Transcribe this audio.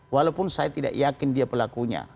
walaupun saya tidak yakin dia pelakunya